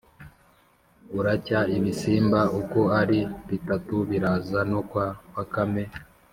buracya ibisimba uko ari bitatu biraza no kwa bakame.